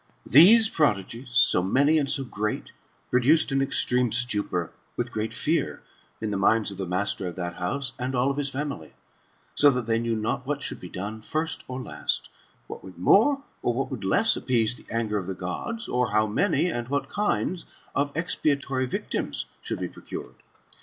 These prodigies, so many and so great, produced an extreme stupor, with great fear, in the minds of the master of that house, and of all his family ; so that they knew not what should be done first or last, what would more, or what would less appease the anger of the Gods, or how many, and what kind of expiatory victims should be procured.